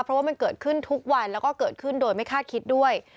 เพราะว่ามันเกิดขึ้นทุกวันแล้วก็เกิดขึ้นโดยไม่คาดคิดด้วย